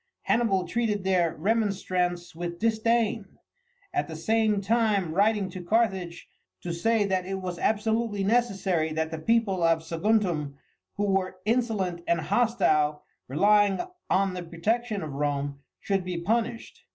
Hannibal treated their remonstrance with disdain, at the same time writing to Carthage to say that it was absolutely necessary that the people of Saguntum, who were insolent and hostile, relying on the protection of Rome, should be punished.